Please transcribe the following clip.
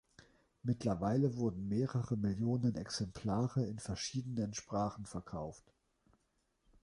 Mittlerweile wurden mehrere Millionen Exemplare in verschiedenen Sprachen verkauft.